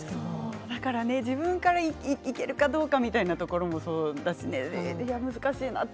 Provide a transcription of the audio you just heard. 自分から、いけるかどうかみたいなこともそうだし難しいなって。